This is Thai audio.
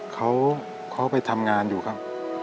เขาไปทำงานอยู่ครับ